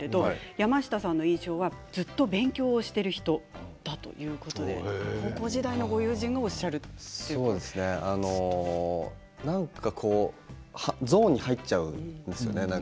山下さんの印象は、ずっと勉強をしている人だということでなんかゾーンに入っちゃうんですよね。